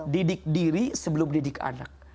didik diri sebelum didik anak